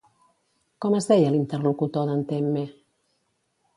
Com es deia l'interlocutor d'en Temme?